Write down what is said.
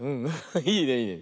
いいねいいね。